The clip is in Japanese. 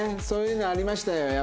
そういうのありましたよ